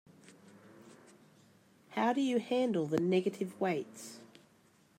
How do you handle the negative weights?